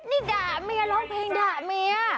นี่ดากเมียกลางเพลงดากเมีย